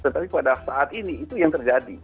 tetapi pada saat ini itu yang terjadi